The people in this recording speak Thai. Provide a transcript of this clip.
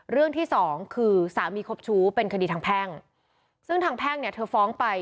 เรื่องที่สองคือสามีครบชู้เป็นคดีทางแพ่งซึ่งทางแพ่งเนี่ยเธอฟ้องไป